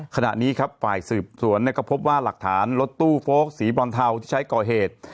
ขณะนี้ครับฝ่ายสืบสวนก็พบว่าหลักฐานรถตู้โฟลกสีบรอนเทาที่ใช้ก่อเหตุ